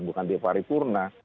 bukan di pari purna